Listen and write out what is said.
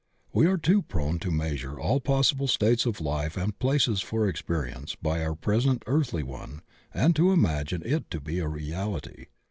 We are too prone to measure all possible states of life and places for experience by our present earthly one and to imagine it to be a reality.